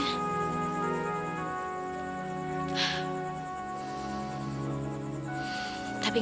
tapi gak peduli aku gak peduli dia